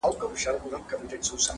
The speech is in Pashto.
o د باز له ځالي باز پاڅېږي!